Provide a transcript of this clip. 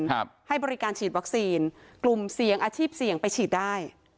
ให้บริการฉีดวัคซีนกลุ่มเสี่ยงอาชีพเสี่ยงไปฉีดได้